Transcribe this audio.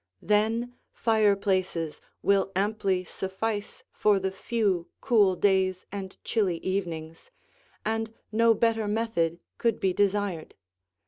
Then fireplaces will amply suffice for the few cool days and chilly evenings, and no better method could be desired.